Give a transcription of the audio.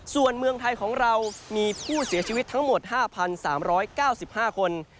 ส่วนเมืองไทยของเรามีผู้เสียชีวิตทั้งหมด๕๓๙๕คน